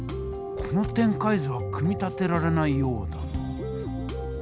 この展開図は組み立てられないようだな。